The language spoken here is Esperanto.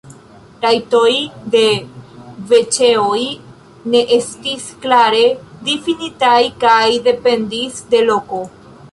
Rajtoj de veĉeoj ne estis klare difinitaj kaj dependis de loko.